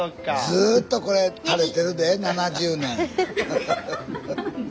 ずっとこれたれてるで７０年。